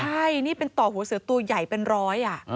ใช่นี่เป็นต่อหัวเสือตัวใหญ่เป็นร้อยอ่ะ